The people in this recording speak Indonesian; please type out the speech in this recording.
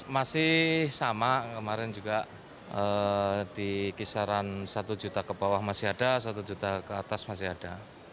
masih sama kemarin juga di kisaran satu juta ke bawah masih ada satu juta ke atas masih ada